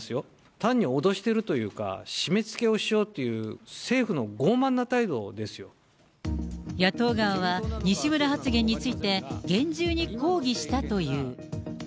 単に脅してるというか、締め付けをしようという、野党側は西村発言について、厳重に抗議したという。